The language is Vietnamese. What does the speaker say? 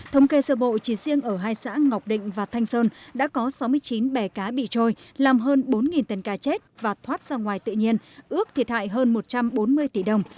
thống kê sơ bộ chỉ riêng ở hai xã ngọc định và thanh sơn đã có sáu mươi chín bè cá bị trôi làm hơn bốn tấn cá chết và thoát ra ngoài tự nhiên ước thiệt hại hơn một trăm bốn mươi tỷ đồng